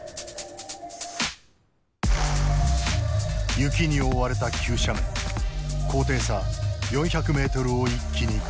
雪に覆われた急斜面高低差４００ｍを一気に下る。